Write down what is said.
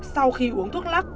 sau khi uống thuốc lóc